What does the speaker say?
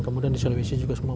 kemudian di sulawesi juga semua